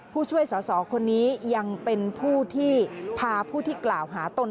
ผู้ช่วยสอสอคนนี้ยังเป็นผู้ที่พาผู้ที่กล่าวหาตน